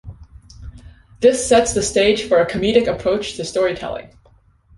This sets the stage for a comedic approach to storytelling.